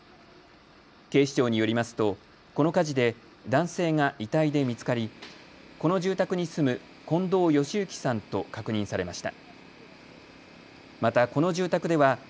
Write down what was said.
警視庁によりますとこの火事で男性が遺体で見つかりこの住宅に住む近藤禎之さんと確認されました。